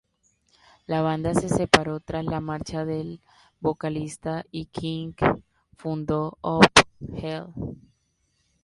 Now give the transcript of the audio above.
La banda se separó tras la marcha del vocalista y King fundó Ov Hell.